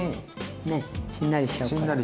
ねしんなりしちゃうから。